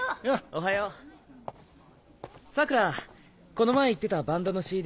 この前言ってたバンドのＣＤ